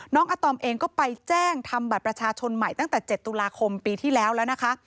อาตอมเองก็ไปแจ้งทำบัตรประชาชนใหม่ตั้งแต่๗ตุลาคมปีที่แล้วแล้วนะคะ